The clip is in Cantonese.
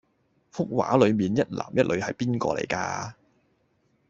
幅畫裡面一男一女係邊個嚟架？